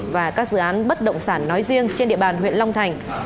và các dự án bất động sản nói riêng trên địa bàn huyện long thành